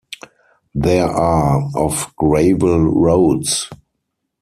There are of gravel roads.